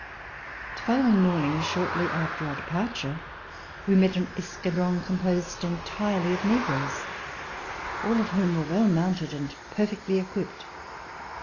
The following morning, shortly after our de parture, we met an escadron composed entirely of negroes, all of whom were well mounted and perfectly equipped.